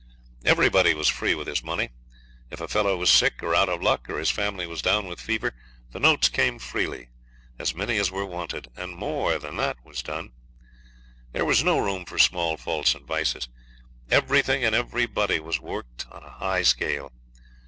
Everybody was free with his money. If a fellow was sick or out of luck, or his family was down with fever, the notes came freely as many as were wanted, and more when that was done. There was no room for small faults and vices; everything and everybody was worked on a high scale.